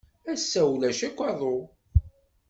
Ass-a, ulac akk aḍu.